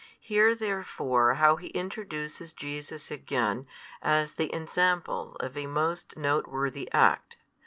Hear therefore how he introduces Jesus again as the Ensample of a most note worthy act.